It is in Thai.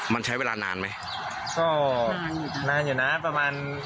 มันใช้เวลานานไหม